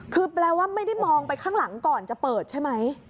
คือแปลว่าไม่ได้มองไปข้างหลังก่อนจะเปิดใช่ไหม